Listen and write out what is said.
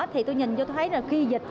thì tôi nhìn tôi thấy là khi dịch